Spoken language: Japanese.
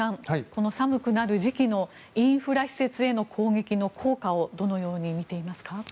この寒くなる時期のインフラ施設への攻撃の効果をどのように見ていますか？